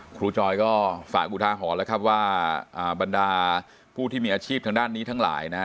จอยก็ฝากอุทาหรณ์แล้วครับว่าบรรดาผู้ที่มีอาชีพทางด้านนี้ทั้งหลายนะฮะ